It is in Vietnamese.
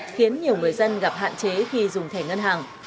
khiến nhiều người dân gặp hạn chế khi dùng thẻ ngân hàng